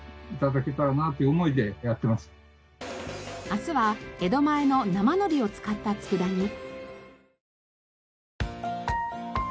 明日は江戸前の生のりを使った佃煮。